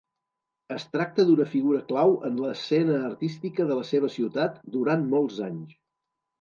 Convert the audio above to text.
Es tracta d'una figura clau en l'escena artística de la seva ciutat durant molts anys.